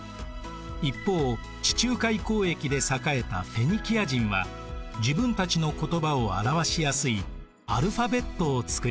一方地中海交易で栄えたフェニキア人は自分たちの言葉を表しやすいアルファベットを作りました。